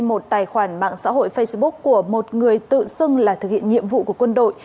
một tài khoản mạng xã hội facebook của một người tự xưng là thực hiện nhiệm vụ của quân đội